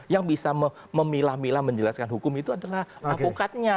yang bisa memilah milah menjelaskan hukum itu adalah apukatnya